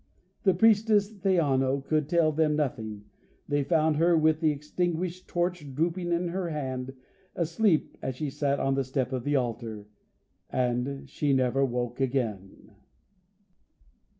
The priestess, Theano, could tell them nothing; they found her, with the extinguished torch drooping in her hand, asleep, as she sat on the step of the altar, and she never woke again.